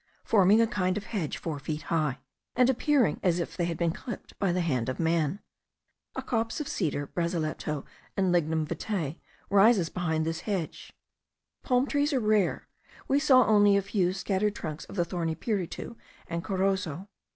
forming a kind of hedge four feet high, and appearing as if they had been clipped by the hand of man. A copse of cedar, brazilletto, and lignum vitae, rises behind this hedge. Palm trees are rare; we saw only a few scattered trunks of the thorny piritu and corozo.